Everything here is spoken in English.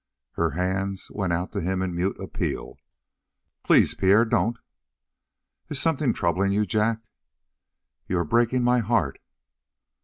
Her hands went out to him in mute appeal. "Please, Pierre don't!" "Is something troubling you, Jack?" "You are breaking my heart."